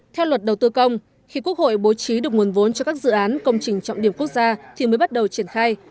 theo luật đầu tư công khi quốc hội bố trí được nguồn vốn cho các dự án công trình trọng điểm quốc gia thì mới bắt đầu triển khai